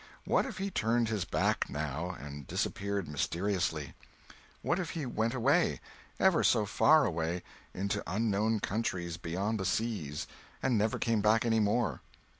What if he turned his back, now, and disappeared mysteriously? What if he went away—ever so far away, into unknown countries beyond the seas—and never came back any more!